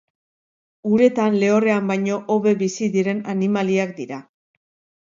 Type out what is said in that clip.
Uretan lehorrean baino hobe bizi diren animaliak dira.